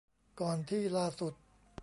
ก่อนที่ล่าสุด